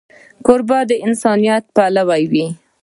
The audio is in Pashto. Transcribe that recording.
کوربه د انسانیت پلوی وي.